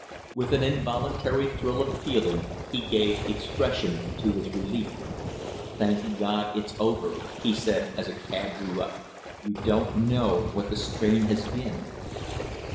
With an involuntary thrill of feeling he gave expression to his relief. "Thank God, it's over!" he said, as a cab drew up. "You don't know what the strain has been."